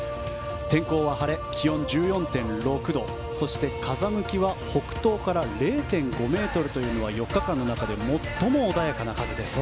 天候は晴れ、気温１４．６度そして、風向きは北東から０．５メートルというのは４日間の中で最も穏やかな風です。